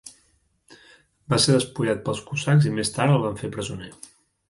Va ser despullat pels cosacs i més tard el van fer presoner.